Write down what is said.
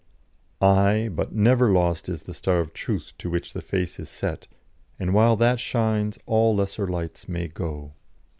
" Aye! but never lost is the Star of Truth to which the face is set, and while that shines all lesser lights may go.